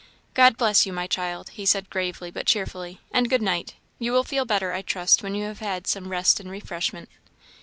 "God bless you, my child," he said gravely, but cheerfully; "and good night! you will feel better, I trust, when you have had some rest and refreshment."